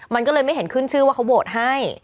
มันก็เลยไม่เห็นขึ้นชื่อว่าเขาโหวตให้